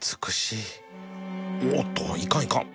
おっといかんいかん